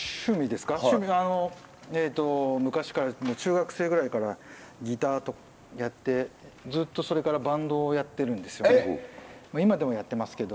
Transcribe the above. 昔から中学生ぐらいからギターやってずっとそれから今でもやってますけど。